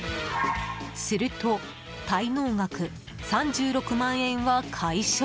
すると、滞納額３６万円は解消。